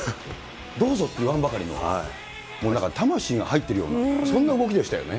どうぞって言わんばかりの、もうなんか魂が入ってるような、そんな動きでしたよね。